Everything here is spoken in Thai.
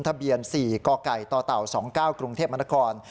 ทะเบียน๔กไก่ตเต่า๒๙กรุงเทพมนตร์กร